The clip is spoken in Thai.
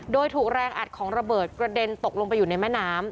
โดยถูกแรงอัดของระเบิดกระเด็นตกลงไปอยู่ในแม่น้ำ